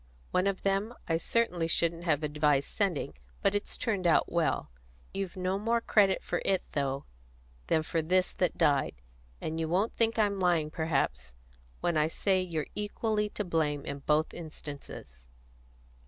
One of them I certainly shouldn't have advised sending, but it's turned out well. You've no more credit for it, though, than for this that died; and you won't think I'm lying, perhaps, when I say you're equally to blame in both instances."